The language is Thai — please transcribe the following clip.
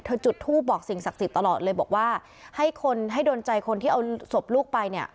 จุดทูปบอกสิ่งศักดิ์สิทธิ์ตลอดเลยบอกว่าให้คนให้โดนใจคนที่เอาศพลูกไปเนี่ย